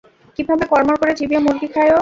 কীভাবে কড়মড় করে চিবিয়ে মুরগি খায় ও।